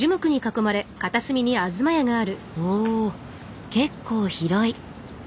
おお結構広い。